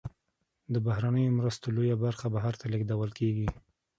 د بهرنیو مرستو لویه برخه بهر ته لیږدول کیږي.